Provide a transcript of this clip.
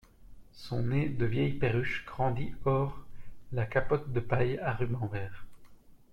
Son nez de vieille perruche grandit hors la capote de paille à rubans verts.